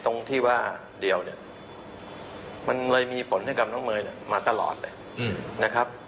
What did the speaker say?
ตรงที่ว่าเดียวมันเลยมีผลให้กับน้องเมย์มาตลอดเลย